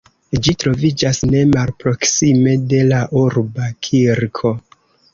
Ĝi troviĝas ne malproksime de la urba kirko.